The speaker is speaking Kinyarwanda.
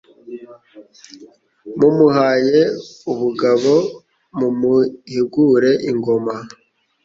Mumuhaye ubugab Mumuhigure ingoma